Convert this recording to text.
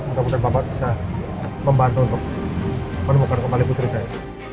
mungkin bapak bisa membantu untuk menemukan kembali putri saya